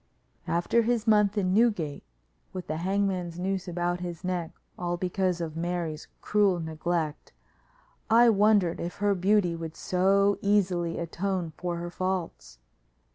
After his month in Newgate with the hangman's noose about his neck all because of Mary's cruel neglect, I wondered if her beauty would so easily atone for her faults.